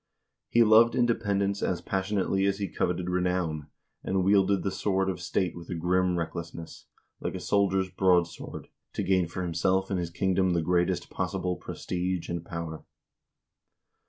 He loved independence as passion ately as he coveted renown, and wielded the sword of state with a grim recklessness, like a soldier's broadsword, to gain for himself and his kingdom the greatest possible prestige and power.